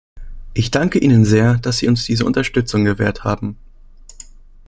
Ich danke Ihnen sehr, dass Sie uns diese Unterstützung gewährt haben.